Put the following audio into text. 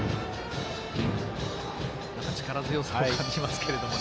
力強さを感じますけどね。